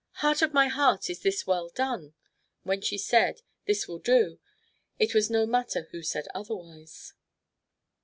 "Heart of my heart, is this well done?" When she said, "This will do," it was no matter who said otherwise.